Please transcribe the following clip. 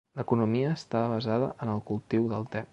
L'economia estava basada en el cultiu del te.